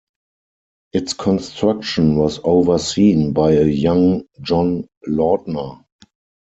Its construction was overseen by a young John Lautner.